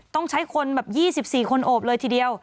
ต้องใช้คนแบบ๒๔คนโอบเลยทีเดียว